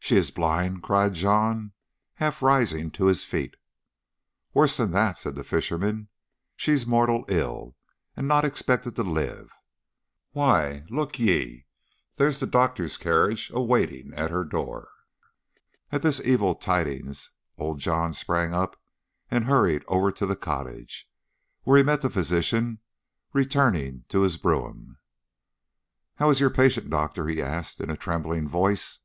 "She is blind!" cried John, half rising to his feet. "Worse than that," said the fisherman. "She's mortal ill, and not expected to live. Why, look ye, there's the doctor's carriage a waiting at her door." At this evil tidings old John sprang up and hurried over to the cottage, where he met the physician returning to his brougham. "How is your patient, doctor?" he asked in a trembling voice.